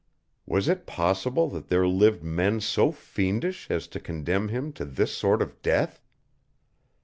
Was it possible that there lived men so fiendish as to condemn him to this sort of death?